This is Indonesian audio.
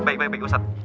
baik baik baik ustadz